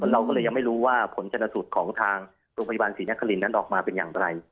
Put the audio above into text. เราก็เลยยังไม่รู้ว่าผลชนสูตรของทางโรงพยาบาลศรีนครินนั้นออกมาเป็นอย่างไร